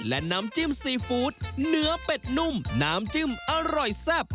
และน้ำจิ้มซีฟู้ดเนื้อเป็ดนุ่มน้ำจิ้มอร่อยแซ่บ